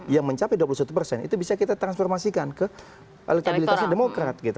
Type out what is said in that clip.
yang mencapai dua puluh satu persen itu bisa kita transformasikan ke elektabilitasnya demokrat gitu